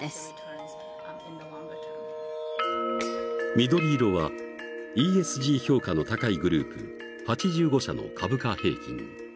緑色はＥＳＧ評価の高いグループ８５社の株価平均。